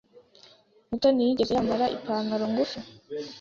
Mutoni yigeze yambara ipantaro ngufi?